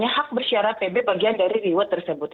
hak bersyarat pb bagian dari reward tersebut